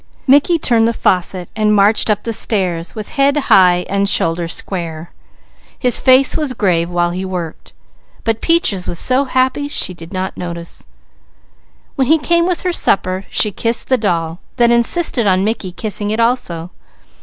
Mickey turned the faucet and marched up the stairs with head high and shoulders square. His face was grave while he worked, but Peaches was so happy she did not notice. When he came with her supper she kissed the doll, then insisted on Mickey kissing it also.